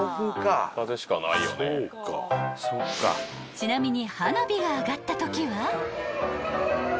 ［ちなみに］